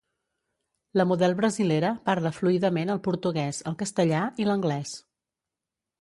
La model brasilera parla fluidament el portuguès, el castellà i l'anglès.